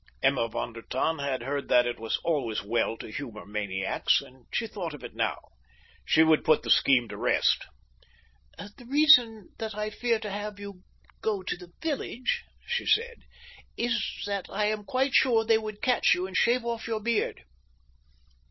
Emma von der Tann had heard that it was always well to humor maniacs and she thought of it now. She would put the scheme to the test. "The reason that I fear to have you go to the village," she said, "is that I am quite sure they would catch you and shave off your beard."